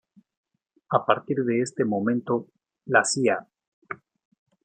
A partir de este momento, la Cía.